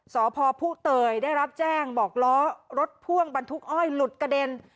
สพผู้เตยได้รับแจ้งบอกล้อรถพ่วงบรรทุกอ้อยหลุดกระเด็น